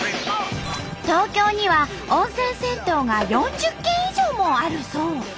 東京には温泉銭湯が４０軒以上もあるそう。